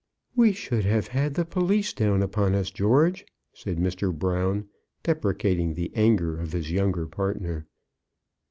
"We should have had the police down upon us, George," said Mr. Brown, deprecating the anger of his younger partner.